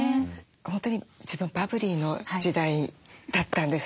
本当に自分はバブリーの時代だったんです。